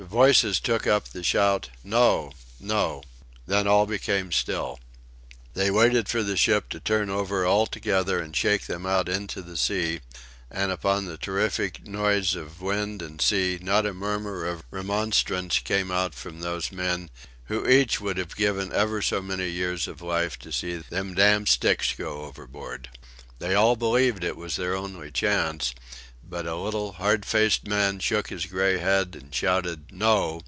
Voices took up the shout "No! No!" Then all became still. They waited for the ship to turn over altogether, and shake them out into the sea; and upon the terrific noise of wind and sea not a murmur of remonstrance came out from those men, who each would have given ever so many years of life to see "them damned sticks go overboard!" They all believed it their only chance; but a little hard faced man shook his grey head and shouted "No!"